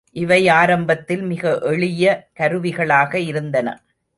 இவை ஆரம்பத்தில் மிக எளிய கருவிகளாக இருந்தன.